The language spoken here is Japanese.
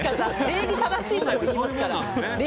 礼儀正しいって言いますから。